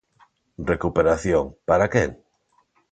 Recuperación ¿para quen?